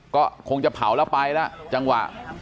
ก็คงจะเผาแล้วไปแล้วจังหวะ